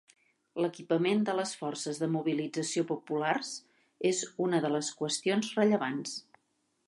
L'equipament de les Forces de Mobilització Populars és una de les qüestions rellevants.